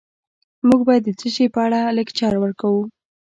موږ به د څه شي په اړه لکچر ورکوو